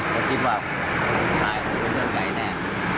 ก็คิดว่าหายเป็นเรื่องไงแน่